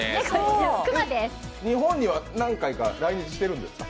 日本には何回か来日してるんですか？